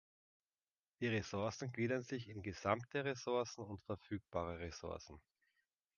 Die Ressourcen gliedern sich in "gesamte Ressourcen" und "verfügbare Ressourcen".